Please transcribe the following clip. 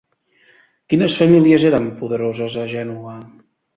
Quines famílies eren poderoses a Gènova?